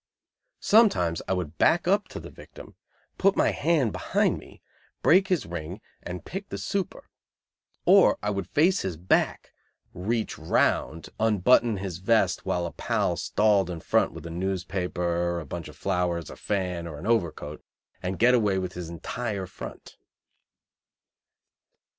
Sometimes I would back up to the victim, put my hand behind me, break his ring and pick the super, or I would face his back, reach round, unbutton his vest while a pal stalled in front with a newspaper, a bunch of flowers, a fan, or an overcoat, and get away with his entire front.